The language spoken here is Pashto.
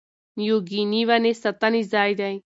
نیو ګیني ونې ساتنې ځای دی.